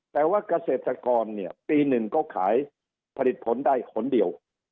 แต่ว่าเกษตรกรปี๑ก็ขายผลิตผลได้หนึ่งเดียว